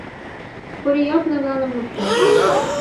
Корият наганым луктеш.